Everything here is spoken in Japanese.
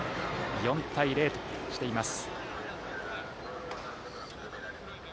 ４対０としています。